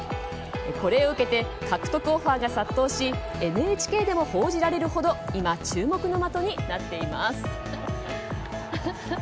これを受けて獲得オファーが殺到しＮＨＫでも報じられるほど今、注目の的になっています。